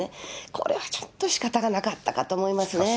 これはちょっと、しかたがなかったかと思いますね。